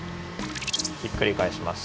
ひっくりかえします。